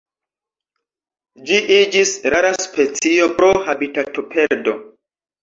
Ĝi iĝis rara specio pro habitatoperdo.